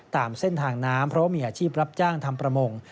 ตามเส้นทางน้ำเพราะว่ามีอาชีพรับจ้างทำประมง